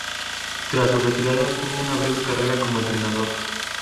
Tras su retirada, tuvo una breve carrera como entrenador.